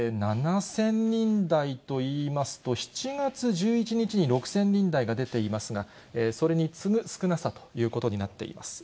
７０００人台といいますと、７月１１日に６０００人台が出ていますが、それに次ぐ少なさということになっています。